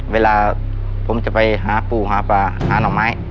เวลาผมจะไปหาปู่หาปลาหาหน่อไม้